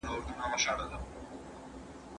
¬ حال پوه سه، انگار پوه سه.